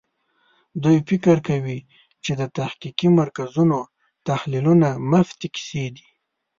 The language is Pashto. دوی فکر کوي چې د تحقیقي مرکزونو تحلیلونه مفتې کیسې دي.